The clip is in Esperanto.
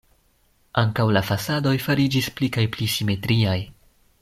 Ankaŭ la fasadoj fariĝis pli kaj pli simetriaj.